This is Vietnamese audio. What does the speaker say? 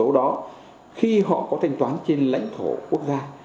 những số đó khi họ có thanh toán trên lãnh thổ quốc gia